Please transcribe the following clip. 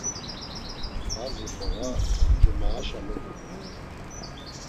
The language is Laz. Bazi fora cumaaşa mulurt̆u.